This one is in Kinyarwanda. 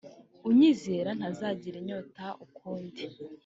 unyizera ntazagira inyota ukundi